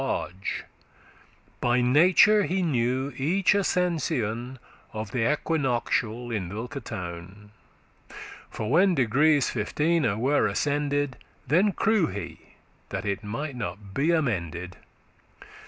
* *clock <4> By nature he knew each ascension Of th' equinoctial in thilke town; For when degrees fiftene were ascended, Then crew he, that it might not be amended.